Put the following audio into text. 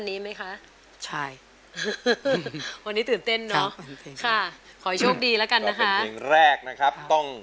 พี่ถึงอย่าแรง